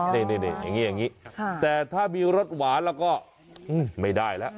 นี่อย่างนี้อย่างนี้แต่ถ้ามีรสหวานแล้วก็ไม่ได้แล้ว